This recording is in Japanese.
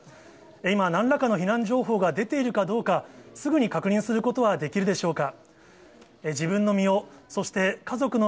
今、なんらかの避難情報が出ているかどうか、すぐに確認することはできるでしょうか。